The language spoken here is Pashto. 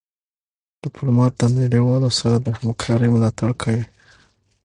ډيپلومات د نړېوالو سره د همکارۍ ملاتړ کوي.